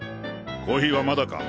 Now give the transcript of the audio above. コーヒーはまだか！？